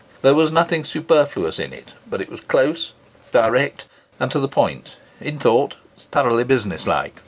There was nothing superfluous in it; but it was close, direct, and to the point,—in short, thoroughly businesslike.